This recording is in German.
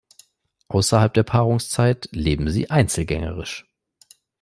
Außerhalb der Paarungszeit leben sie einzelgängerisch.